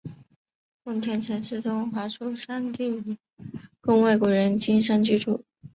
奉天城市中划出商埠地以供外国人经商居住。